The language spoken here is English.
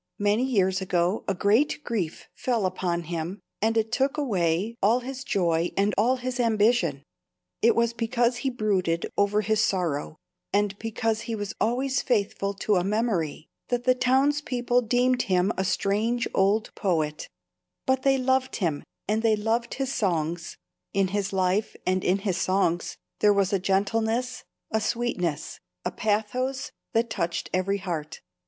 Many years ago a great grief fell upon him, and it took away all his joy and all his ambition. It was because he brooded over his sorrow, and because he was always faithful to a memory, that the townspeople deemed him a strange old poet; but they loved him and they loved his songs, in his life and in his songs there was a gentleness, a sweetness, a pathos that touched every heart.